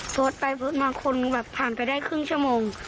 โพสต์ไปโพสต์มาคนแบบผ่านไปได้ครึ่งชั่วโมง